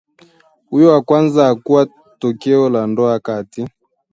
Huyo wa kwanza hakuwa tokeo la ndoa kati